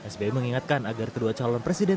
sbi mengingatkan agar kedua calon presiden